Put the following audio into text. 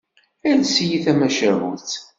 Ales-iyi-d tamacahut.